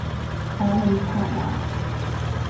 我未刷牙